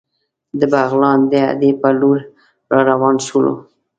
د بغلان د اډې په لور را روان شولو.